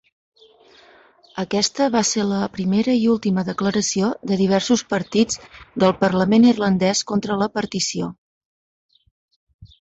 Aquesta va ser la primera i última declaració de diversos partits del parlament irlandès contra la partició.